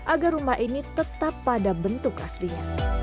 agar rumah ini tetap pada bentuk aslinya